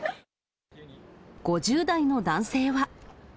５０代の男性は。